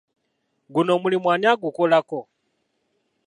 Guno omulimu ani agukolako?